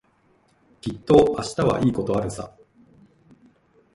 きっと明日はいいことあるさ。